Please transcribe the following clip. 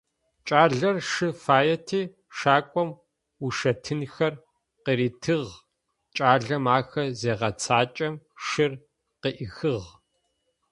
Кӏалэр шы фаети, шакӏом ушэтынхэр къыритыгъ, кӏалэм ахэр зегъэцакӏэм шыр къыӏихыгъ.